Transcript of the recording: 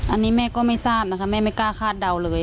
อันนี้แม่ก็ไม่ทราบนะคะแม่ไม่กล้าคาดเดาเลย